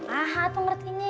ah itu mengertinya